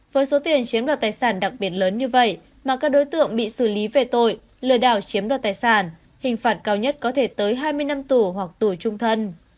với số tiền chiếm đoạt tài sản đặc biệt lớn như vậy mà các đối tượng bị xử lý về tội lừa đảo chiếm đoạt tài sản hình phạt cao nhất có thể tới hai mươi năm tù hoặc tù trung thân